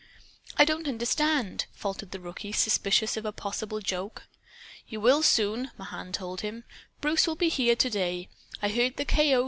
"I don't understand," faltered the rookie, suspicious of a possible joke. "You will soon," Mahan told him. "Bruce will be here to day. I heard the K.O.